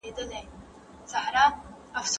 نفوس تل اقتصادي پرمختګ ته زیان نه رسوي.